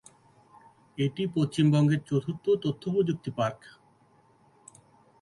এটি পশ্চিমবঙ্গের চতুর্থ তথ্যপ্রযুক্তি পার্ক।